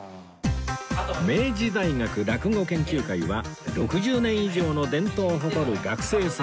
明治大学落語研究会は６０年以上の伝統を誇る学生サークル